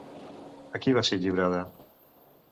A qui va ser lliurada?